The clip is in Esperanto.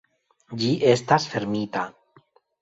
Ĝi estas fermita.